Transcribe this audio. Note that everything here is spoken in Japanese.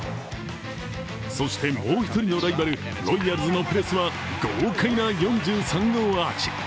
そしてもう１人のライバル、ロイヤルズのペレスは豪快な４３号アーチ。